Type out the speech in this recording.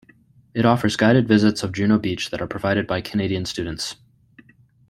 It offers guided visits of Juno Beach that are provided by Canadian students.